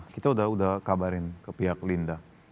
kita sudah kabarin ke pihak linda